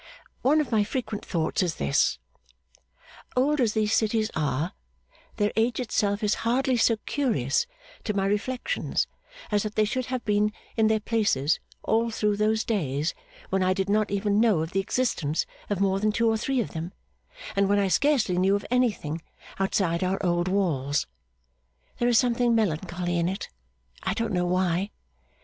One of my frequent thoughts is this: Old as these cities are, their age itself is hardly so curious, to my reflections, as that they should have been in their places all through those days when I did not even know of the existence of more than two or three of them, and when I scarcely knew of anything outside our old walls. There is something melancholy in it, and I don't know why.